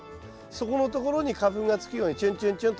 そこのところに花粉がつくようにちゅんちゅんちゅんとします。